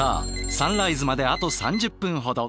サンライズまであと３０分ほど。